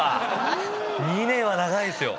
２年は長いですよ。